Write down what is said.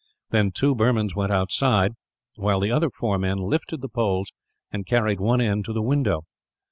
Then two Burmans went outside, while the other four men lifted the poles and carried one end to the window.